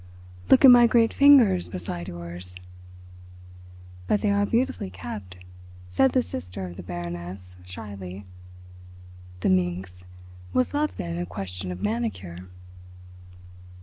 "Look at my great fingers beside yours." "But they are beautifully kept," said the sister of the Baroness shyly. The minx! Was love then a question of manicure?